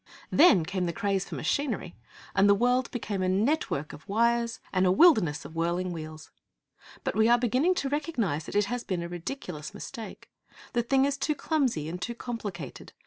Then came the craze for machinery, and the world became a network of wires and a wilderness of whirling wheels. But we are beginning to recognize that it has been a ridiculous mistake. The thing is too clumsy and too complicated.